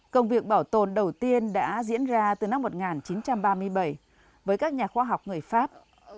công việc bảo tồn đầu tiên đã diễn ra từ năm một nghìn chín trăm ba mươi bảy với các nhà khoa học người pháp